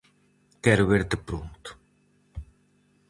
Quero verte pronto.